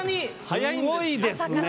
早いんです。